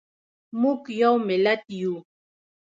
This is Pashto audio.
موږ یو ملت یو.